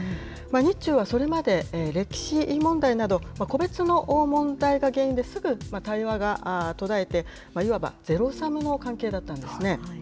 日中はそれまで歴史問題など、個別の問題が原因ですぐ対話が途絶えて、いわばゼロサムの関係だったんですね。